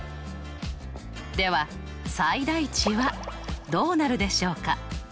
では最大値はどうなるでしょうか？